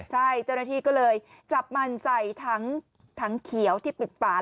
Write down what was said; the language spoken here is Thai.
ใช่เจ้าหน้าที่ก็เลยจับมันใส่ถังเขียวที่ปิดปาก